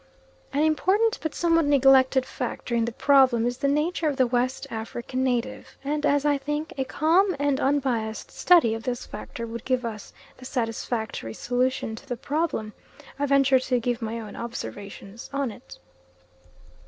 An important but somewhat neglected factor in the problem is the nature of the West African native, and as I think a calm and unbiassed study of this factor would give us the satisfactory solution to the problem, I venture to give my own observations on it.